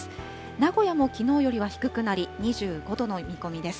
名古屋もきのうよりは低くなり、２５度の見込みです。